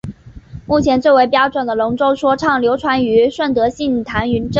目前最为标准的龙舟说唱流传于顺德杏坛镇。